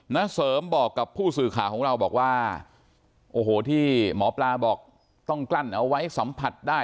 เสริมบอกกับผู้สื่อข่าวของเราบอกว่าโอ้โหที่หมอปลาบอกต้องกลั้นเอาไว้สัมผัสได้